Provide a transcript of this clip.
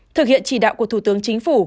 thực hiện chỉ đạo của thủ tướng chính phủ